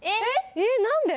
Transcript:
えっ何で？